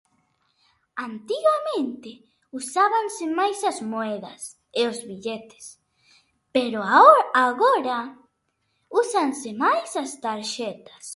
Antigamente, usábanse máis as moedas e os billetes, pero aho-, agora úsanse máis as tarxetas.